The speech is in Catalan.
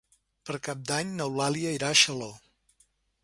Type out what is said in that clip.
Per Cap d'Any n'Eulàlia irà a Xaló.